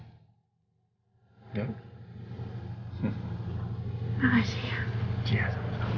tidak mengulangi kejahatan yang dia perbuat